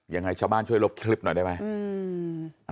ยังไงชาวบ้านช่วยลบคลิปหน่อยได้ไหม